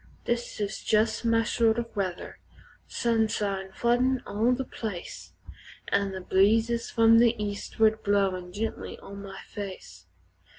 This is jes' my style o' weather sunshine floodin' all the place, An' the breezes from the eastward blowin' gently on my face.